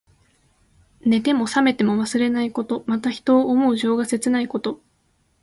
寝ても冷めても忘れないこと。また、人を思う情が切ないこと。